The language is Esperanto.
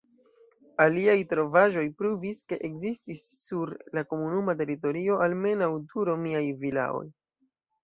Aliaj trovaĵoj pruvis, ke ekzistis sur la komunuma teritorio almenaŭ du romiaj vilaoj.